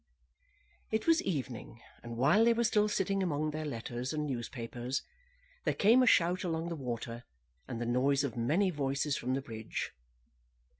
It was evening, and while they were still sitting among their letters and newspapers, there came a shout along the water, and the noise of many voices from the bridge.